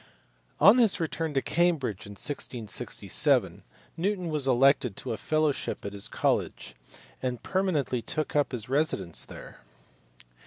On his return to Cambridge in 1667 Newton was elected to a fellowship at his college, and permanently took up his residence there.